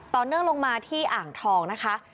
เนื่องลงมาที่อ่างทองนะคะ